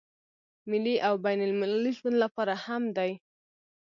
ملي او بين المللي ژوند لپاره هم دی.